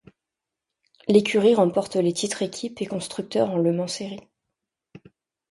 L'écurie remporte les titres équipes et constructeurs en Le Mans Series.